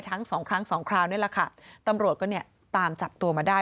ทั้งสองครั้งสองคราวนี่แหละค่ะตำรวจก็เนี่ยตามจับตัวมาได้